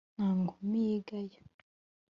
Nta nkumi yigaya.